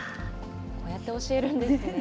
こうやって教えるんですね。